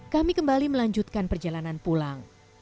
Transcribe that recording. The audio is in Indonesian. kami kembali melanjutkan perjalanan pulang